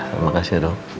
terima kasih dong